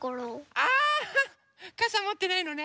ああかさもってないのね。